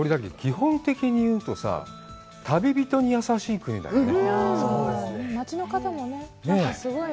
基本的に言うとさ、旅人に優しい国だよね。